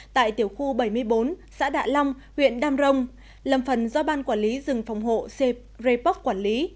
tại tiểu khu bảy mươi bốn xã đạ long huyện đam rồng lâm phần do ban quản lý rừng phòng hộ cpoc quản lý